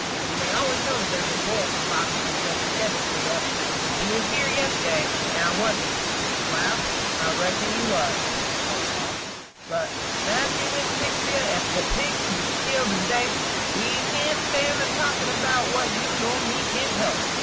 You may always know that there 's a boy at the bottom, when there 's any deviltry up. He was here yesterday, – now wa' n't he?" "Wal, I reckon he was," said Sol. "But, massy, Miss Sphyxy, ef the pigs is to be killed to day, we can't stan' a talkin' about what you nor me can't help.